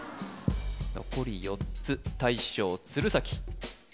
残り４つ大将鶴崎